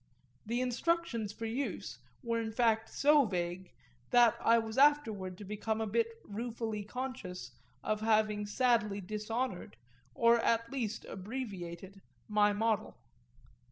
The instructions for use were in fact so vague that I was afterward to become a bit ruefully conscious of having sadly dishonoured, or at least abbreviated, my model.